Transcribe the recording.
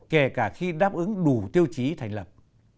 kể cả khi đáp ứng đủ tiêu chí thành lập